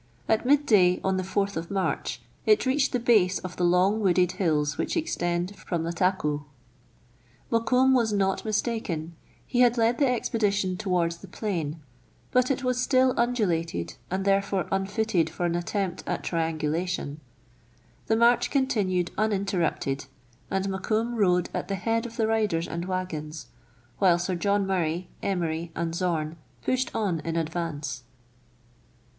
At midday, on the 4th of March, it reached the base of the long wooded hills which extend from Lattakoo. Mokoum was not mistaken ; he had led the expedition towards the plain, but it was still undulated, and therefore unfitted for an attempt at triangulation. The march continued uninterrupted, and Mokoum rode at the head of the riders and waggons, while Sir John Murray, Emery, and Zorn pushed on in advance.